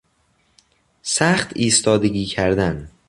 سخت ایستادگی کردن